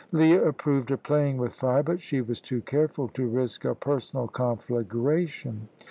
Leah approved of playing with fire, but she was too careful to risk a personal conflagration.